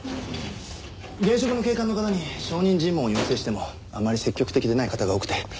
現職の警官の方に証人尋問を要請してもあまり積極的でない方が多くて。